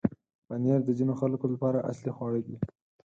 پنېر د ځینو خلکو لپاره اصلي خواړه دی.